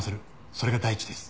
それが第一です。